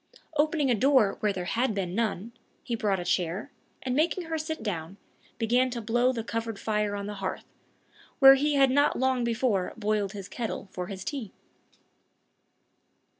Opening a door where had been none, he brought a chair, and making her sit down, began to blow the covered fire on the hearth, where he had not long before "boiled his kettle" for his tea.